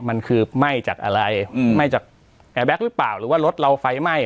มันคือไหม้จากอะไรอืมไหม้จากหรือเปล่าหรือว่ารถเราไฟไหม้อะไร